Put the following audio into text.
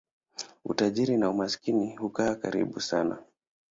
Utajiri na umaskini hukaa karibu sana.